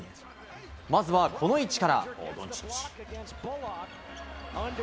まずは、この位置から。